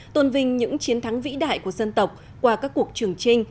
tôn vinh những chiến thắng vĩ đại của dân tộc qua các cuộc trường trinh